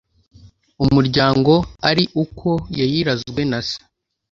umuryango ari uko yayirazwe na se